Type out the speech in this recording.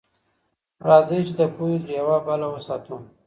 راځئ چي د پوهي ډيوه بل وساتو.